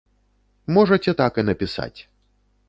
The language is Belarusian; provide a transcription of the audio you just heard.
Можаце так і напісаць.